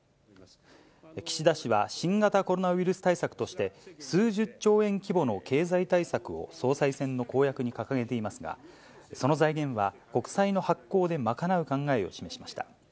岸田氏は新型コロナウイルス対策として、数十兆円規模の経済対策を総裁選の公約に掲げていますが、その財源は国債の発行で賄う考えを示しました。